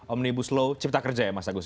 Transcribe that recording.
omnibus law cipta kerja ya mas agus